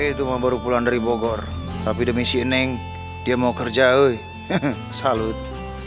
itu mau baru pulang dari bogor tapi demi sineng dia mau kerja woi salut